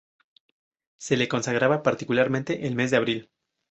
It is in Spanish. Se le consagraba particularmente el mes de abril.